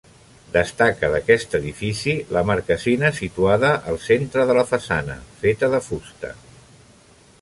Destaca d'aquest edifici la marquesina situada al centre de la façana, feta de fusta.